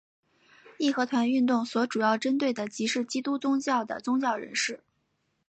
义和团运动所主要针对的即是基督宗教的宗教人士。